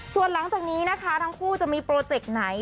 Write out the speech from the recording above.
ส่วนหลังจากนี้นะคะทั้งคู่จะมีโปรเจกต์ไหน